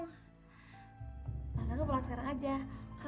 maksudnya gue pulang sekarang aja